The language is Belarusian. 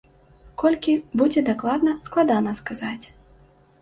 Колькі будзе дакладна, складана сказаць.